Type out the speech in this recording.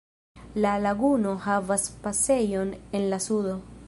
La laguno havas pasejon en la sudo.